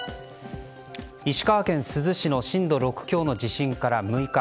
石川県珠洲市の震度６強の地震から６日。